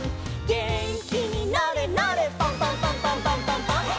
「げんきになれなれパンパンパンパンパンパンパン！！」